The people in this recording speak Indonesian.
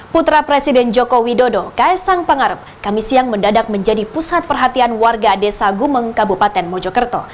putra presiden joko widodo kaisang pangarep kami siang mendadak menjadi pusat perhatian warga desa gumeng kabupaten mojokerto